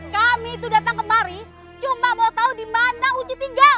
kami itu datang kemari cuma mau tahu di mana uji tinggal